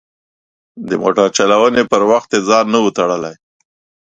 د موټر چلونې پر وخت ځان نه و تړلی.